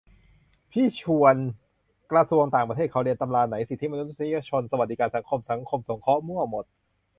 พี่ชวนนท์ กระทรวงต่างประเทศ เขาเรียนตำราไหน สิทธิมนุษยชน สวัสดิการสังคม สังคมสงเคราะห์ มั่วหมด